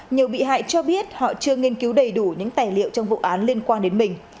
nhiều bị hại cho biết họ chưa nghiên cứu đầy đủ những tài liệu trong vụ án liên quan đến mình